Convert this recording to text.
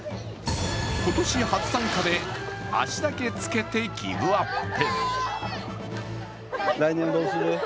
今年初参加で、足だけつけてギブアップ。